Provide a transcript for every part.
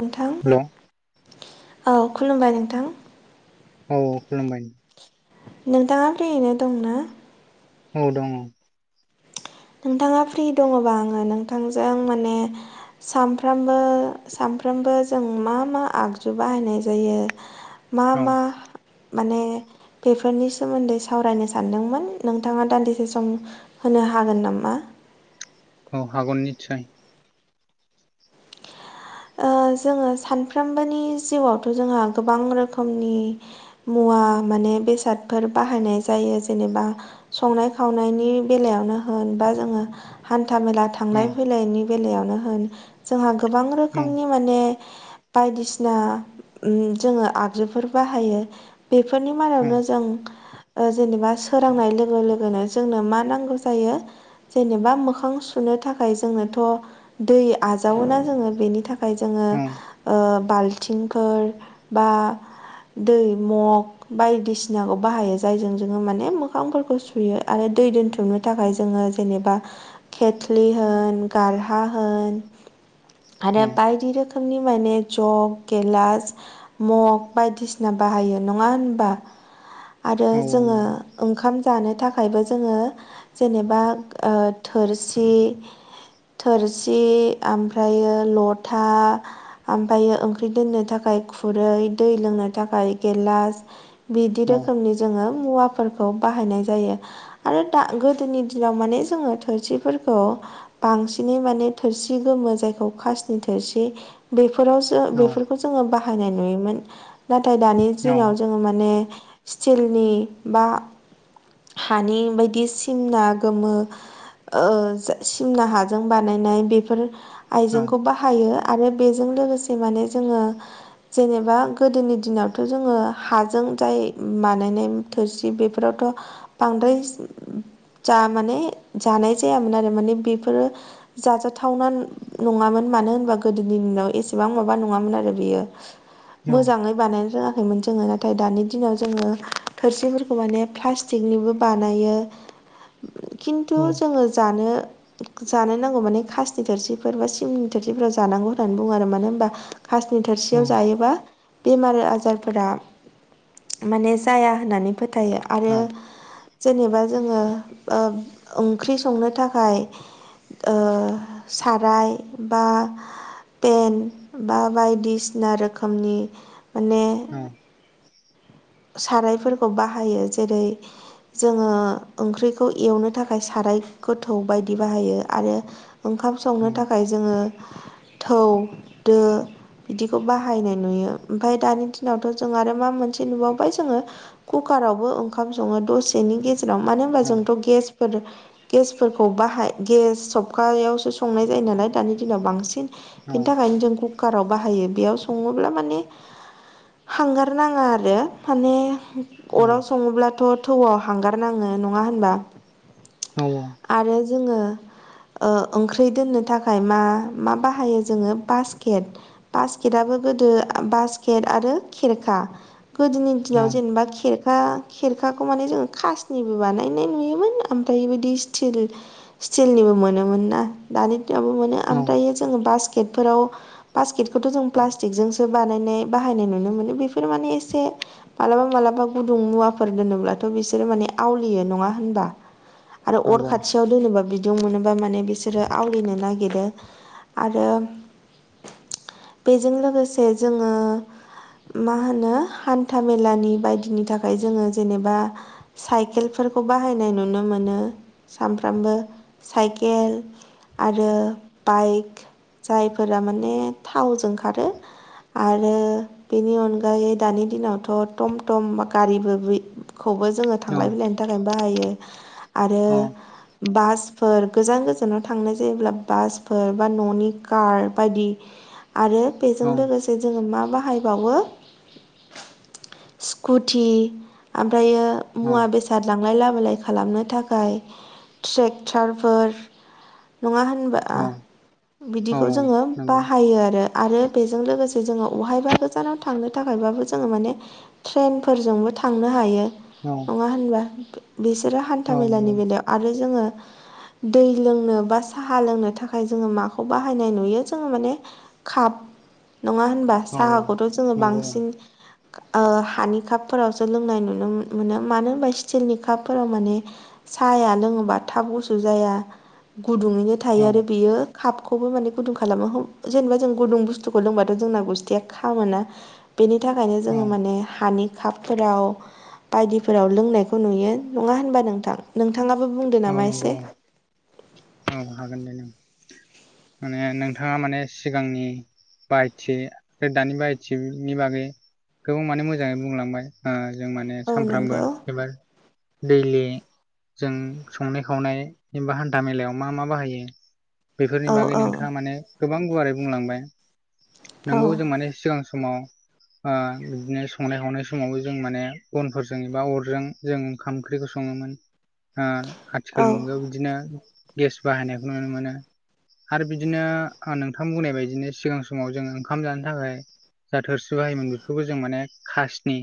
नोंथां हेलौ औ खुलुमबाय नोंथां औ खुलुमबाय नोंथाङा फ्रियैनो दं ना औ दङ नोंथाङा फ्रि दङबा आङो नोंथांजों माने सानफ्रामबो सानफ्रामबो जों मा मा आगजु बाहायनाय जायो मा औ मा माने बेफोरनि सोमोन्दै सावरायनो सानदोंमोन नोंथाङा दान्दिसे सम होनो हागोन नामा औ हागोन नितसय ओ जोङो सानफ्रोमबोनि जिउआवथ' जोंहा गोबां रोखोमनि मुवा माने बेसादफोर बाहायनाय जायो जेनेबा संनाय खावनायनि बेलायावनो होन बा जोङो हान्था मेला था औ थांलाय फैलायनि बेलायावनो होन जोंहा गोबां औ रोखोमनि माने बायदिसिना उम जोङो आगजुफोर बाहायो बेफोरनि औ मादावनो जों ओ जेनेबा सोरांनाय लोगो लोगोनो जोंनो मा नांगौ जायो जेनेबा मोखां सुनो थाखाय जोंनोथ' दै आजावोना जोङो बेनि फाय जोङो औ ओ बाल्थिंफोर बा दै मग बायदिसिनाखौ बाहायो जायजों जोङो माने मोखांफोरखौ सुयो आरो दै दोनथुमो थाखाय जोङो जेनेबा खेथ्लि होन गारहा होन औ आरो बायदि रोखोमनि माने जग गेलास मग बायदिसिना बाहायो नङा होनबा आरो औ जोङो नंगौ ओंखाम जानो थाखायबो जोङो जेनेबा ओ थोरसि थोरसि ओमफ्रायो लथा ओमफ्रायो ओंख्रि दोननो थाखाय खुरै दै लोंनो थाखाय गेलास बिदि औ रोखोमनि जोङो मुवाफोरखौ बाहायनाय जायो आरो दा गोदोनि दिनाव माने जोङो थोरसिफोरखौ बांसिनै माने थोरसि गोमो जायखौ खासनि थोरसि बैफोरावसो औ बेफोरखौ जोङो बाहायनाय नुयोमोन नाथाय दानि औ दिनाव जोङो माने स्टिलनि बा हानि बायदि सिमना गोमो ओ जो सिमना हाजों बानायनाय बेफोर आइजेंखौ बाहायो आरो बेजों लोगोसे माने जोङो जेनेबा गोदोनि दिनावथ' जोङो हाजों जाय बानायनाय थोरसि बेफोरावथ' बांद्राय जा माने जानाय जायामोन आरो माने बेफोरो जाजाथावना नङामोन मानो होनबा गोदोनि दिनाव एसेबां माबा नङामोन आरो बियो मोजाङै बानायनो रोङाखैमोन जोङो नाथाय दानि दिनाव जोङो थोरसिफोरखौ माने प्लास्टिकनिबो बानायो खिन्थु औ जोङो जानो जानो नांगौ माने खासनि थोरसि फोरबा सिमनि थोरसिफोराव जानांगौ होननानै बुङो आरो मानो होनबा खासनि थोरसियाव जायोबा बेमार आजारफोरा माने जाया होननानै फोथायो आरो जेनेबा जोङो ओ ओंख्रि संनो थाखाय ओ साराय बा पेन बा बायदिसिना रोखोमनि माने औ औ सारायफोरखौ बाहायो जेरै जोङो ओंख्रिखौ एवनो थाखाय साराय गोथौ बायदि बाहायो आरो। ओंखाम संनो थाखाय जोङो थौ दो बिदिखौ बाहायनाय नुयो ओमफाय दानि दिनावथ' जों आरो मा मोनसे नुबाव बाय जोङो कुकारावबो ओंखाम सङो दसेनि गेजेराव मानो होनबा जोंथ' गेस फोर गेसफोरखौ बाहाय गेस सबखायावसो संनाय जायो नालाय दानि दिनाव बांसिन बेनि थाखायनो जों कु काराव बाहायो बेयाव सङोब्ला माने हांगार नाङा आरो। माने अराव सङोब्लाथ' थौआव हांगार नाङो नङा होनबा? औ आरो जोङो ओ ओंख्रि दोननो थाखाय मा मा बाहायो जोङो बास्केट बास्केटआबो गोदो बास्केट आरो खेरखा गोदोनि दिनाव जेनेबा खेर खा खेरखाखौ माने जोङो खासनिबो बानायनाय नुयोमोन ओमफ्राय बिदि स्टिल स्टिलनिबो मोनोमोन ना दानि दिनावबो मोनो ओमफ्रायो जोङो बासकेटफोराव बास्केटखौथ' जों प्लास्टिकजोंसो बानायनाय बाहायनाय नुनो मोनो। बेफोर माने एसे मालाबा मालाबा गुदुं मुवाफोर दोनोब्लाथ' बिसोरो माने आवलियो नङा होनबा? आरो अर खाथियाव लोनोबा बिदुं मोनोबा माने बिसोरो आवलिनो नागिरो आरो बेजों लोगोसे जोङो मा होनो हान्था मेलानि बायदिनि थाखाय जोङो जेनेबा साइकेलफोरखौ बाहायनाय नुनो नुनो मोनो सानफ्रामबो साइकेल आरो बाइक जायफोरा माने थावजों खारो आरो बेनि अनगायै दानि दिनावथ' टमटम गारिबोखौबो जोङो थांलाय फैलायनि थाखायनो बाहायो आरो औ बासफोर गोजान गोजानाव थांनाय जायोब्ला बासफोर बा न'नि कार बायदि आरो बेजों लोगोसे जोङो मा बाहायबावो स्कुटि ओमफ्रायो मुवा बेसाद जा लांलाय लाबोलाय खालामनो थाखाय ट्रेक्टरफोर नङा होनबा औ बिदिखौ जोङो नंगौ बाहायो आरो। आरो बेजों लोगोसे जोङो अहायबा गोजानाव थांनो थाखायबाबो जोङो माने ट्रेनफोरजोंबो थांनो हायो नङा होनबा? बिसोरो औ हान्था नंगौ औ मेलानि बेलायाव आरो जोङो दै लोंनो बा साहा लोंनो थाखाय जोङो माखौ बाहायनाय नुयो जोङो माने काप नङा होनबा औ साहाखौथ' जोङो नंगौ बांसिन हानि कापफोरावसो लोंनाय नुनो मोनो मानो होनबा स्टिलनि कापफोराव माने साहाया लोङोबा थाब गुसु जाया गुदुङैनो थायो औ आरो बेयो कापखौबो माने गुदुं खालामो जेनेबा जों गुदुं बुस्थुखौ लोंबाथ' जोंना गुस्थिया खामोना बेनिथाखायनो जोङो औ माने हानि कापफोराव बायदिफोराव लोंनायखौ नुयो नङा होनबा नोंथां? नोंथाङाबो बुंदो औ नामा नंगौ एसे औ हागोन दे नों माने नोंथाङा माने सिगांनि बाहायथि आरो दानि बाहायथिनि बागै गोबां माने मोजाङै बुंलांबाय जों माने औ सामफ्रामबो नंगौ एबा दैलि जों संनाय खावनाय एबा हान्था मेलायाव मा मा बाहायो बेफोरनि औ बागै औ नोंथाङा माने गोबां गुवारै बुंलांबाय औ नंगौ जों माने सिगां समाव ओ बिदिनो संनाय खावनाय समावबो जों माने बनफोरजों एबा अरजों जों ओंखाम ओंख्रिखौ सङोमोन आ औ आथिखाल मुगायाव बिदिनो गेस बाहायनायखौ नुनो मोनो आरो बिदिनो नोंथां बुंनाय बायदिनो सिगां समाव जों ओंखाम जानो थाखाय जा थोरसि बाहायोमोन बेफोरखौ जों माने खासनि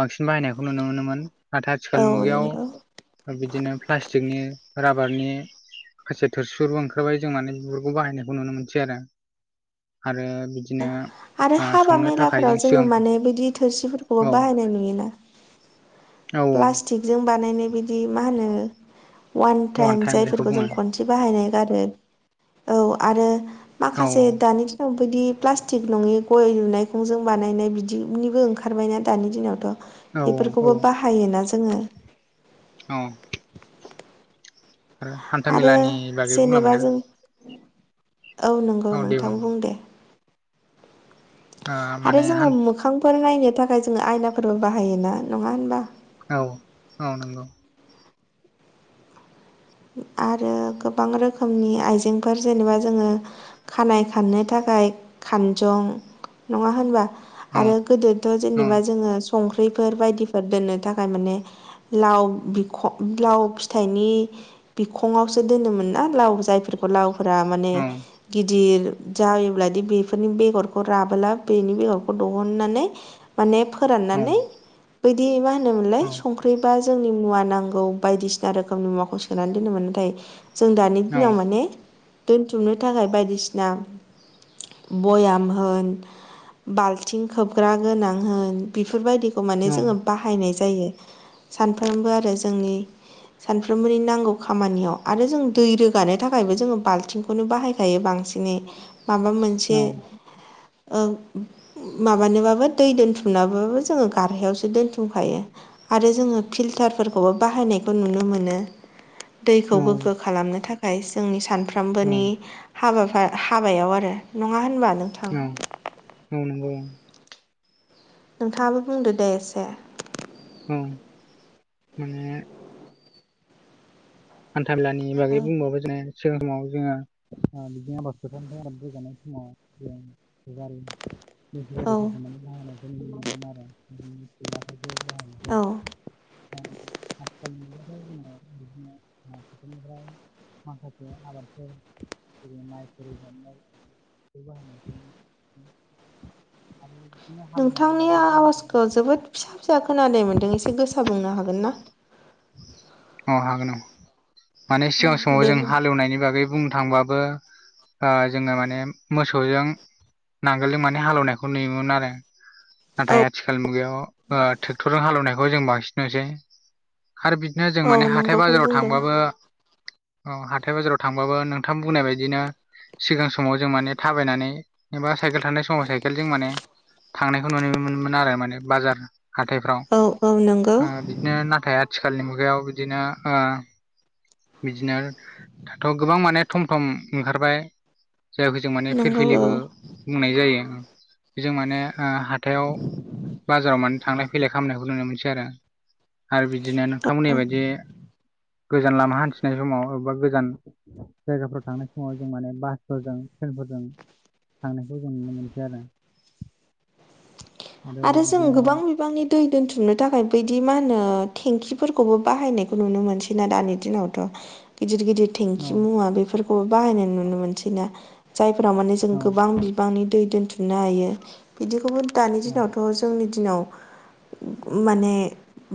बांसिन बाहायनायखौ नुनो मोनोमोन नाथाय औ आथिखालनि नंगौ मुगायाव बिदिनो प्लास्टिकनि राबारनि माखासे थोरसिफोरबो ओंखारबाय जों माने बिफोरखौ बाहायनायखौ नुनो मोनसै आरो आरो आरो बिदिनो हाबा संनो थाखाय मेलाफोराव जों जोङो सिगां माने बिदि थोरसिफोरखौबो औ औ प्लास्टिक जों बानायनाय बिदि मा होनो वान अवान टाइम जायखौ जायफोरखौ जों बुङो खनसे बिदि बाहायनाय गारो औ आरो औ माखासे दानि बिदि प्लास्टिक नङि गय दुनायखंजों बानायनाय बिदिनिबो ओंखारबायना दानि दिनावथ' औ औ बेफोरखौबो बाहायोना जोङो औ आरो आरो हान्थामेलानि बागै जेनेबा बुंलांबायना जों औ नंगौ नोंथां बुं दे ओ आरो माने जोङो हान मोखांफोर नायनो थाखाय जोङो आयनाफोरबो बाहायोना नङा होनबा औ औ नंगौ आरो गोबां रोखोमनि आइजेंफोर जेनेबा जोङो खानाय खाननो थाखाय खानजं नङा होनबा औ आरो गोदोथ' औ जेनेबा जोङो संख्रिफोर बायदिफोर दोननो थाखाय माने लाव बिख लाव फिथाइनि बिखङावसो दोनोमोन ना लाव जायफोरखौ लावफोरा माने नंगौ गिदिर जायोब्लादि बेफोरनि बेगरखौ राबोला बेनि बेगरखौ दिहुननानै माने फोराननानै बैदि मा होनोमोनलाय औ सं बै बा जोंनि मुवा नांगौ बायदिसिना रोखोमनि मुवाखौ सोनानै दोनोमोन नाथाय जों दानि दिनाव माने दोनथुमनो थाखाय बायदिसिना बयाम होन बाल्थिं खोबग्रा गोनां होन बेफोरबायदिखौ माने जोङो बा बहायनाय जायो सानफ्रोमबो आरो जोंनि सानफ्रोमबोनि नांगौ खामानियाव आरो जों दै रोगानो थाखायबो जोङो बाल्थिंखौनो बाहायखायो बांसिनै माबा मोनसे माबानोबाबो दै दोनथुमनाबाबो जोङो गारहायावसो दोनथुमखायो आरो जोङो फिल्टारफोरखौबो बाहायनायखौ नुनो मोनो दैखौ गोग्गो खालामनो थाखाय जोंनि सानफ्रोमबोनि हाबाफ हाबायाव आरो नङा होनबा नोंथां औ नंगौ नोंथाङाबो बुंदो दे एसे औ माने हान्थामेलानि बागै बुंबाबो सि समाव जोङो बिदिनो आबाद फथाम आबाद ज जानाय समाव जों औ [unintelligible] औ [unintelligible] बेफोरनिफ्राय माखासे आबादफोर जेरै माइफोर गायनाय बे [unintelligible] आरो [unintelligible] नोंथांनिया बुंनो आवाजखौ थांबाबो जोबोद फिसा फिसा खोनानाय मोन्दों एसे गोसा बुंनो हागोन ना औ हागोन औ माने औ सिगां समाव दे जों बुं हालेवनायनि बागै बुंनो थांबाबो ओ जोङो माने मोसौजों नांगोलजों माने हालेवनायखौ नुयोमोन आरो औ नाथाय आथिखाल मुगायाव ट्रेक्टरजों हालौनायखौ जों बांसिन नसै आरो बिदिनो जों औ माने हाथाय नंगौखौनो बाजाराव थां बुंदों हाथाय बाजाराव थांबाबो नोंथां बुंनाय बायदिनो सिगां समाव जों माने थाबायनानै एबा साइकेल थानाय समाव साइकेल जों माने थांनायखौ नुनो मोनोमोन आरो माने बाजार हाथायफ्राव औ औ नंगौ बिदिनो नाथाय आथिखालनि मुगायाव बिदिनो ओ बिदिनो दाथ' गोबां माने थम थम ओंखारबाय। जायखौ जों माने नंगौ फिरफिलिबो औ बुंनाय जायो। बेजों माने हाथायाव बाजाराव माने थांलाय फैलाय खालामनायखौ नुनो मोनसै आरो। आरो बिदिनो नोंथां बुंनाय बायदि गोजान लामा हान्थिनाय समाव एबा गोजान। जायगाफोराव थांनाय समाव जों माने बासफोरजों ट्रेनफोरजों थांनायखौ जों नुनो मोनसै आरो। आरो जों गोबां बिबांनि। दै दोनथुमनो थाखाय बैदि मा होनो टेंखिफोरखौबो बाहायनाय नुनो मोनसैना दानि दिनावथ गिदिर गिदिर थेंखि औ मुवा बेफोर बाहायनाय नुनो मोनसैना जायफोरा माने जों औ गोबां बिबांनि दै दोनथुमनो हायो बिदिखौबो दानि औ दिनावथ' जोंनि दिनाव माने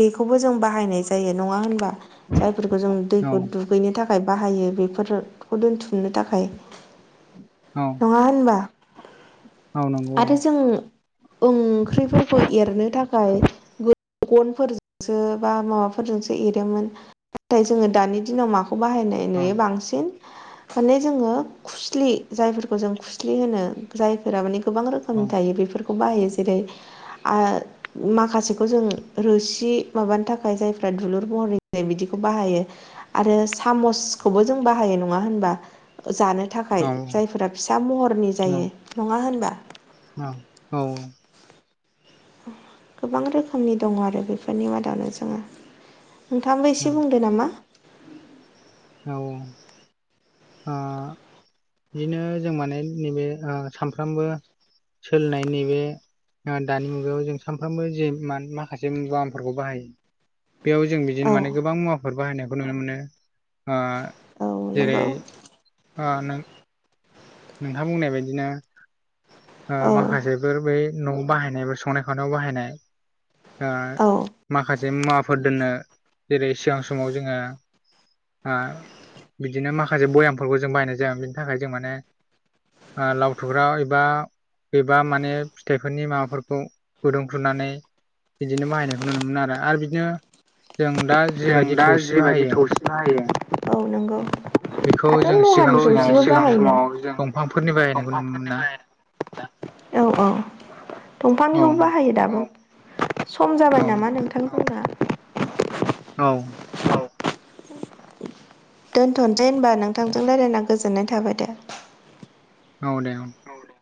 बेखौबो जों बाहायनाय जायो नङा होनबा? जायफोरखौ जों औ दैखौ दुगैनो थाखाय बाहायो बेफोर बेखौ दोनथुमनो थाखाय औ नङा होनबा औ नंगौ आरो औ जों ओम ओंख्रिफोरखौ एरनो थाखाय गनफोरजोंसो बा माबाफोरजोंसो एरोमोन नाथाय जोंङो दानि दिनाव माखौ बाहायनाय औ नुयो बांसिन माने जोङो खुस्लि जायफोरखौ जों खुस्लि होनो। जायफोरा माने गोबां औ रोखोमनि थायो बेफोरखौ बाहायो जेरै माखासेखौ जों रोसि माबानि थाखाय जायफ्रा दुलुर महरै बिदिखौ बाहायो‌। आरो सामसखौबो जों बाहायो नङा होनबा जानो ओ थाखाय औ जायफोरा फिसा महरनि जायो नङा होनबा? औ औ। गोबां रोखोमनि दङ आरो बेफोरनि मादावनो जोङो ओ नोंथांबो औ एसे बुंदो नामा? औ आ बिदिनो जों माने नैबे सामफ्रामबो सोलिनाय नैबे दानि मुगायाव जों सानफ्रामबो जे म माखासे मुवाफोरखौ बाहायो। बेयाव जों औ बिदिनो माने गोबां मुवाफोर बाहायनायखौ नुनो मोनो। औ जेरै नंगौ आ नोंथाङा नोंथां बुंनाय बायदिनो औ माखासे बेफोर बै न'आव बाहायनाय ब संनाय खावनायाव बाहायनाय दा औ माखासे मुवाफोर दोननो जेरै सिगां समाव जोंङो बिदिनो माखासे भयामफोरखौ जों बायनाय जाया बिनि थाखाय जों माने लाव थुग्रा एबा गबा माने फिथाइफोरनि माबाफोरखौ गुदुं खुरनानै बिदिनो बाहायनायखौ नुनो मोनो आरो बिदिनो जों दा जों जिबायदि दा थौसि जिबायदि बाहायो थौसि होयो औ नंगौ। बेखौ दाथ' जों सिगां लहानि समाव फसे जों बाहायनाय दंफांफोरनि बाहायनायखौ नुनो दफांनि मोना अ औ। औ दंफांनिखौबो बाहायो दाबो सम जाबाय औ नामा नोंथां। औ। दोनथ'नोसै होनबा नोंथांजों राय्लायना गोजोननाय थाबाय। औ दे। औ दे